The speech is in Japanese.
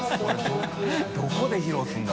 どこで披露するんだ？